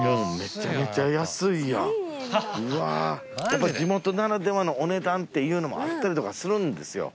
やっぱり地元ならではのお値段っていうのもあったりとかするんですよ。